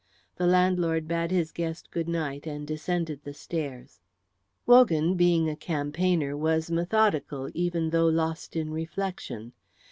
The landlord bade his guest good night and descended the stairs. Wogan, being a campaigner, was methodical even though lost in reflection.